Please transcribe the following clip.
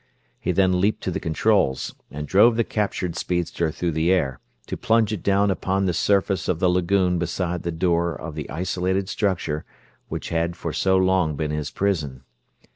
He then leaped to the controls and drove the captured speedster through the air, to plunge it down upon the surface of the lagoon beside the door of the isolated structure which had for so long been his prison.